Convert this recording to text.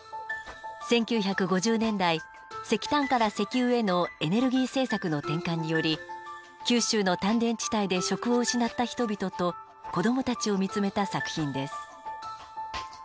１９５０年代石炭から石油へのエネルギー政策の転換により九州の炭田地帯で職を失った人々と子どもたちを見つめた作品です。